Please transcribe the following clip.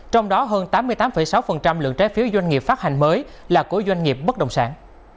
trong đó hơn tám mươi tám sáu lượng trái phiếu doanh nghiệp phát hành mới là của doanh nghiệp bất động sản